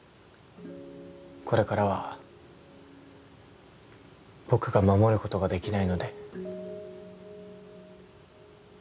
これからは僕が守ることができないので。